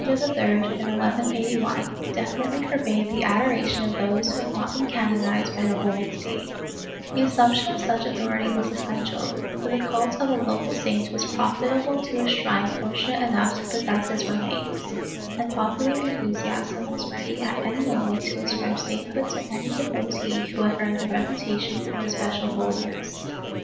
356 MISCELLANEOUS BUSINESS [Book VIII upon by Rome, in 993, and Alexander III, in 1181 definitely forbade the adoration of those who had not been canonized by the Holy See/ The assumption of such authority was essential, for the cult of a local saint was profitable to a shrine fortunate enough to possess his remains, and popular enthusiasm was ready at any moment to ascribe sainthood to any devotee who had earned the reputation of especial holiness.